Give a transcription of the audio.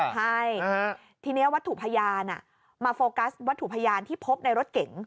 ใช่ทีนี้วัตถุพยานมาโฟกัสวัตถุพยานที่พบในรถเก๋ง